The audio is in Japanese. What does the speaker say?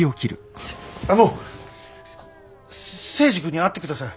あの征二君に会ってください。